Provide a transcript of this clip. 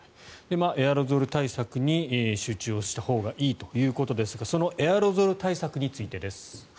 エアロゾル対策に集中をしたほうがいいということですがそのエアロゾル対策についてです。